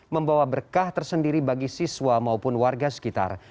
membawa berkah tersendiri bagi siswa maupun warga sekitar